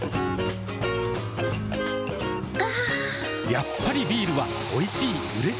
やっぱりビールはおいしい、うれしい。